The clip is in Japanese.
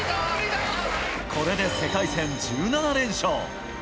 これで世界戦１７連勝。